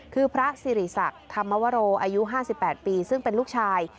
คือพระสิริศักดิ์ธรรมวโรอายุ๕๘ปีซึ่งเป็นลูกชาย